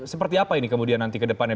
seperti apa ini kemudian nanti ke depannya